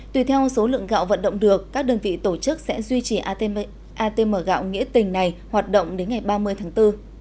tùy theo số lượng gạo vận động được các đơn vị tổ chức sẽ duy trì atm gạo nghĩa tình này hoạt động đến ngày ba mươi tháng bốn